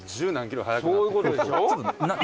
そういうことでしょ？